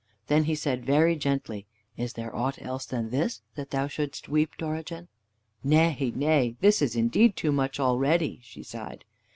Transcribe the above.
Then he said very gently: "Is there aught else than this, that thou shouldst weep, Dorigen?" "Nay, nay, this is indeed too much already," she sighed.